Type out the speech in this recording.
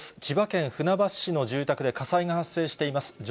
千葉県船橋市の住宅で火災が発生しています。